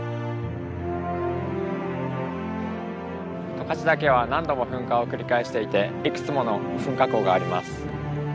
十勝岳は何度も噴火を繰り返していていくつもの噴火口があります。